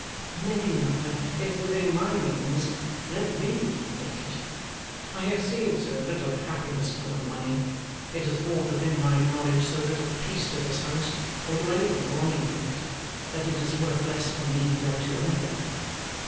Nay, mother, if within my means, let me make it. I have seen so little happiness come of money; it has brought within my knowledge so little peace to this house, or to any one belonging to it, that it is worth less to me than to another.